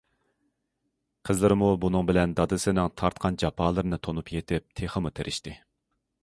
قىزلىرىمۇ بۇنىڭ بىلەن دادىسىنىڭ تارتقان جاپالىرىنى تونۇپ يېتىپ، تېخىمۇ تىرىشتى.